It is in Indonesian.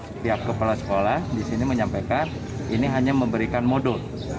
setiap kepala sekolah di sini menyampaikan ini hanya memberikan modul